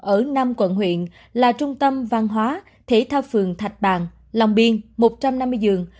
ở năm quận huyện là trung tâm văn hóa thể thao phường thạch bàng lòng biên một trăm năm mươi dường